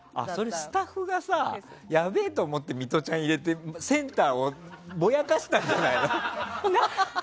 スタッフがさ、やべえと思ってミトちゃんを入れて、センターをぼやかしたんじゃないの。